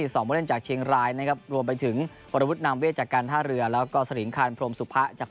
สองบวเล่นจากเชียงรายนะครับรวมไปถึงพระวุฒินำเวช